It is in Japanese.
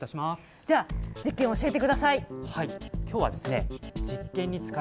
じゃあ、実験教えてください。